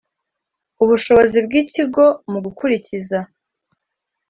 ubushobozi bw ikigo mu gukurikiza